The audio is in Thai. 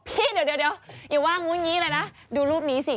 พี่เดี๋ยวอย่าว่างุ้นอย่างนี้เลยนะดูรูปนี้สิ